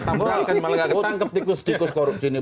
tidak akan malah diketangkap tikus tikus korupsi ini